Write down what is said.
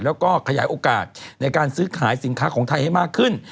แล้วก็ขยายโอกาสในการซื้อขายสินค้าของไทยให้มากขึ้น